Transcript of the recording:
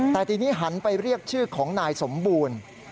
แต่ทีนี้หันไปเรียกชื่อของนายสมบูรณ์